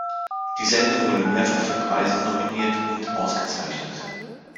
Die Sendung wurde mehrfach für Preise nominiert und ausgezeichnet.